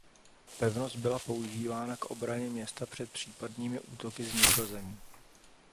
Pevnost byla používána k obraně města před případnými útoky z vnitrozemí.